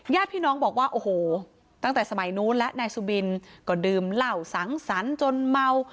ญาติพี่น้องบอกว่าโอ้โหตั้งแต่สมัยนู้นและนายสุบินก็ดื่มเหล้าสังสรรค์จนเมา